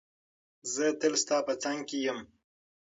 زه تل ستا په څنګ کې یم.